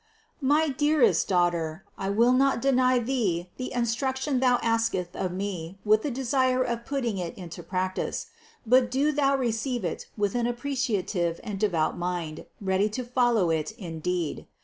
444. My dear daughter, I will not deny thee the in struction thou askest of me with the desire of putting it into practice ; but do thou receive it with an appreciative and devout mind, ready to follow it in deed.